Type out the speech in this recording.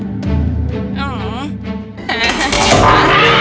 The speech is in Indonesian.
apakah ini akan menggabungkan sendirianmu